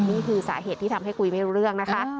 นี่คือสาเหตุที่ทำให้คุยไม่รู้เรื่องนะคะ